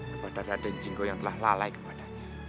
kepada raja jinggong yang telah lalai kepadanya